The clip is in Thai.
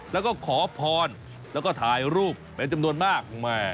แล้วก็ขอพรแล้วก็ถ่ายรูปเป็นจำนวนมาก